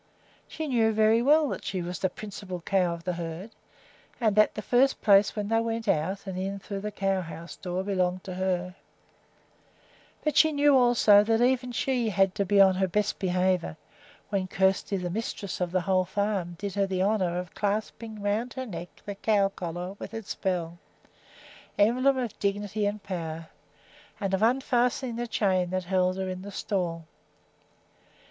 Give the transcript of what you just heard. She knew very well that she was the principal cow of the herd, and that the first place when they went out and in through the cow house door belonged to her; but she knew also that even she had to be on her best behavior when Kjersti, the mistress of the whole farm, did her the honor of clasping around her neck the cow collar with its bell, emblem of dignity and power, and of unfastening the chain that held her in the stall.